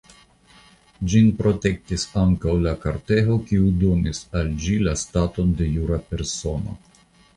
Ĝin protektis ankaŭ la kortego kiu donis al ĝi la staton de jura persono.